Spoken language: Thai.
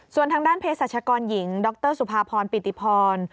ส่วนทางด้านเพศรัชกรหญิงดรสุภาพรปิติพร